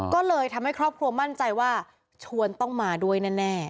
ก็เลยทำให้ครอบครัวมั่นใจว่าชวนต้องมาด้วยแน่